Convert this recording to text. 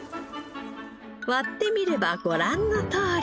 割ってみればご覧のとおり。